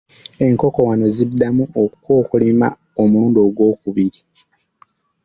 Enkoko wano ziddamu okukookolima omulundi ogw'okubiri.